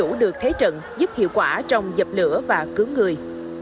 tổng thống được thế trận giúp hiệu quả trong dập lửa và cướm người